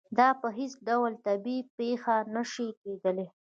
دا په هېڅ ډول طبیعي پېښه نه شي کېدای.